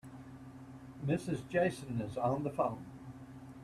Mrs. Jason is on the phone.